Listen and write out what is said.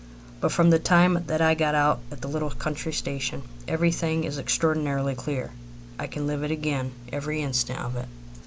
But from the time that I got out at the little country station everything is extraordinarily clear. I can live it again every instant of it.